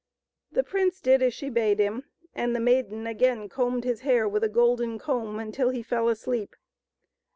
The prince did as she bade him, and the maiden again combed his hair with a golden comb until he fell asleep.